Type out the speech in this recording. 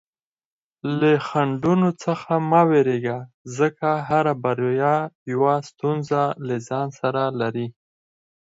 له خنډونو څخه مه ویریږه، ځکه هره بریا یوه ستونزه له ځان سره لري.